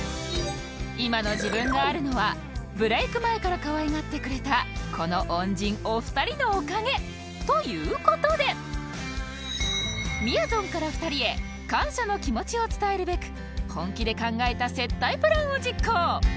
今の自分があるのはブレイク前から可愛がってくれたこの恩人お二人のおかげという事でみやぞんから２人へ感謝の気持ちを伝えるべく本気で考えた接待プランを実行